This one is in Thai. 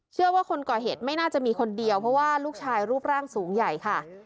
ว่าคนก่อเหตุไม่น่าจะมีคนเดียวเพราะว่าลูกชายรูปร่างสูงใหญ่ค่ะ